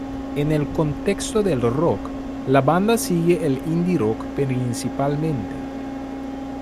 En el contexto del rock, la banda sigue el indie rock principalmente.